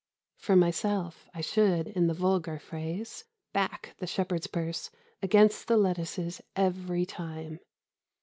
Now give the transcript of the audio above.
For myself, I should, in the vulgar phrase, back the shepherd's purse against the lettuces every time.